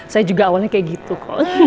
saya juga awalnya kayak gitu kok